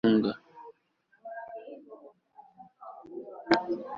y'ibyishimo nigeze gutunga